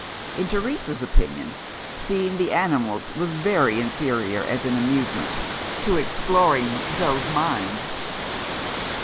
In Teresa's opinion, seeing the animals was very inferior, as an amusement, to exploring Zo's mind.